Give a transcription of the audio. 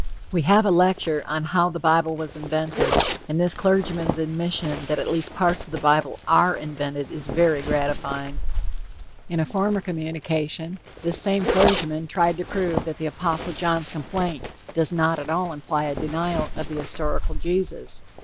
We have a lecture on "How the Bible was Invented," and this clergyman's admission that at least parts of the bible are invented is very gratifying. In a former communication, this same clergyman tried to prove that the Apostle John's complaint does not at all imply a denial of the historical Jesus.